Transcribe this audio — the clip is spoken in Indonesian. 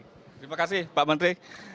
terima kasih pak menteri